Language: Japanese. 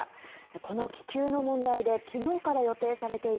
この気球の問題で昨日から予定されていた